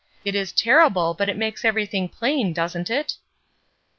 It is terrible, but it makes everything plain, doesn't it?"